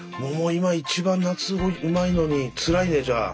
今一番夏うまいのにつらいねじゃあ。